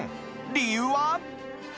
理由は？